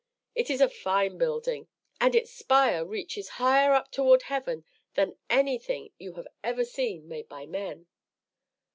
It is a fine building, and its spire reaches higher up toward heaven than anything you have ever seen made by men.